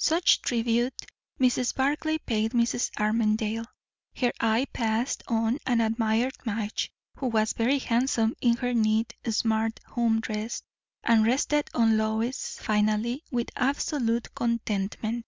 Such tribute Mrs. Barclay paid Mrs. Armadale. Her eye passed on and admired Madge, who was very handsome in her neat, smart home dress; and rested on Lois finally with absolute contentment.